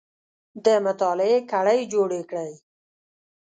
د مطالعې کړۍ جوړې کړئ